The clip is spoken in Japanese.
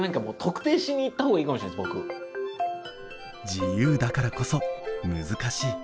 自由だからこそ難しい。